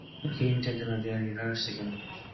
이렇게 힘이 든다면야 어디 일을 해 갈 수 있겠나.